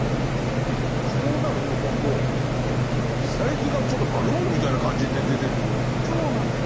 そうなると今度佐柄木がちょっと化け物みたいな感じで出てくるじゃないですか。